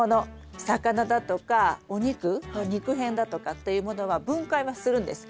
魚だとかお肉の肉片だとかっていうものは分解はするんです。